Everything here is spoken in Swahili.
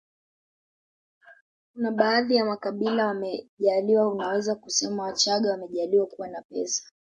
kuna baadhi ya makabila wamejaaliwa unaweza kusema wachaga wamejaaliwa kuwa na pesa